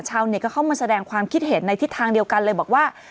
ชาวเน็ตก็เข้ามาแสดงความคิดเห็นในทิศทางเดียวกันเลยบอกว่า